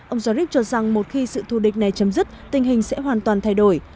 ông jarib cho rằng một khi sự thù địch này chấm dứt tình hình sẽ hoàn toàn thay đổi